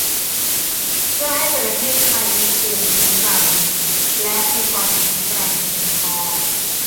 เพื่อให้ประเทศไทยมีภูมิคุ้มกันและมีความแข็งแกร่งเพียงพอ